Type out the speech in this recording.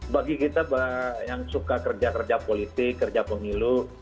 bagi kita yang suka kerja kerja politik kerja pemilu